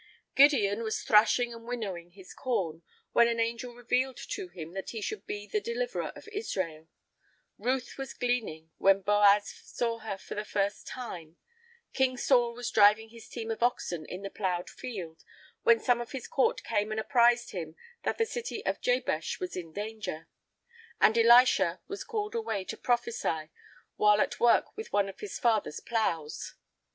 Gideon was thrashing and winnowing his corn, when an angel revealed to him that he should be the deliverer of Israel;[I 5] Ruth was gleaning when Boaz saw her for the first time;[I 6] King Saul was driving his team of oxen in the ploughed field, when some of his court came and apprized him that the city of Jabesh was in danger;[I 7] and Elisha was called away to prophesy while at work with one of his father's ploughs.